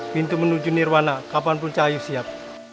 pintu menuju nirwana kapanpun cahayu siap